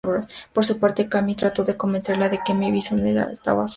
Por su parte Cammy trató de convencerla de que M. Bison las estaba usando.